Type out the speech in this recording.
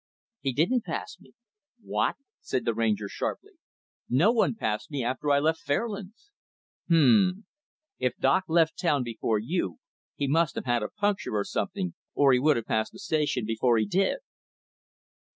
"He didn't pass me." "What?" said the Ranger, sharply. "No one passed me after I left Fairlands." "Hu m m. If Doc left town before you, he must have had a puncture or something, or he would have passed the Station before he did."